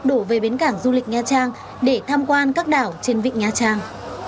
đổ về bến cảng du lịch nha trang để tham quan các đảo trên vịnh nha trang